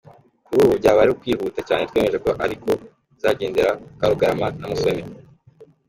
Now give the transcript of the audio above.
Kuri ubu byaba ari ukwihuta cyane twemeje ko ariko bizagendekera Karugarama na Musoni.